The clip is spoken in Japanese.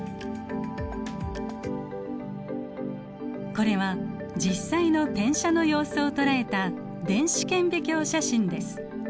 これは実際の転写の様子を捉えた電子顕微鏡写真です。